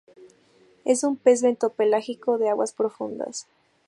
Es un pez bentopelágico de aguas profundas.